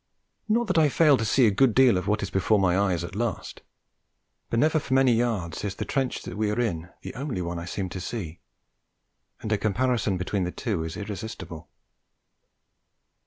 Not that I fail to see a good deal of what is before my eyes at last; but never for many yards is the trench that we are in the only one I seem to see, and a comparison between the two is irresistible.